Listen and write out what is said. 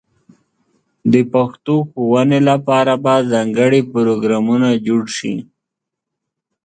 د پښتو ښوونې لپاره به ځانګړې پروګرامونه جوړ شي.